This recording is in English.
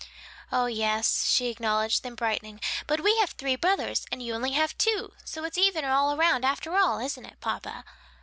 "Oh, yes," she acknowledged, then brightening, "but we have three brothers, and you only two; so it's even all around after all, isn't it, papa?"